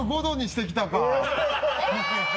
４５度にしてきたか。